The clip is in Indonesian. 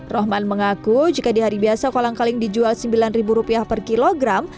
rohman mengaku jika di hari biasa kolang kaling dijual rp sembilan per kilogram